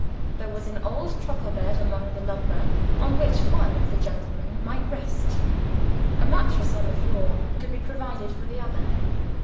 There was an old truckle bed among the lumber, on which one of the gentlemen might rest. A mattress on the floor could be provided for the other.